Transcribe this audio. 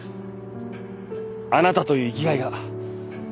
あなたという生きがいが。